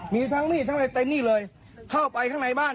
มีทั้งมีดทั้งอะไรเต็มนี่เลยเข้าไปข้างในบ้าน